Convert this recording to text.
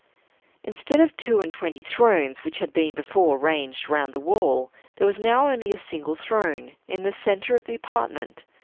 Instead of two and twenty thrones, which had before been ranged around the wall, there was now only a single throne, in the center of the apartment.